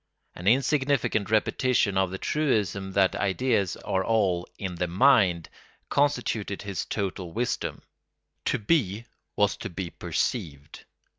An insignificant repetition of the truism that ideas are all "in the mind" constituted his total wisdom. To be was to be perceived.